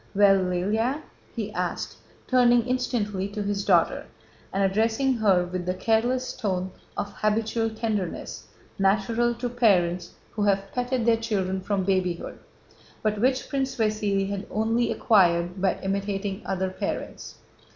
"Well, Lëlya?" he asked, turning instantly to his daughter and addressing her with the careless tone of habitual tenderness natural to parents who have petted their children from babyhood, but which Prince Vasíli had only acquired by imitating other parents.